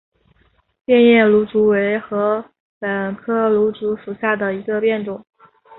变叶芦竹为禾本科芦竹属下的一个变种。